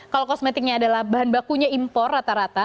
kalau kosmetiknya adalah bahan bakunya impor rata rata